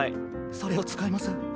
それを使います。